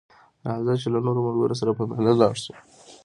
راځه چې له نورو ملګرو سره په ميله لاړ شو